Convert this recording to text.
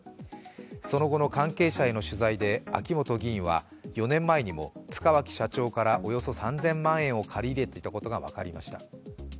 その後の関係者への取材で秋本議員は４年前にも塚脇社長からおよそ３０００万円を借り入れていたことが分かりました。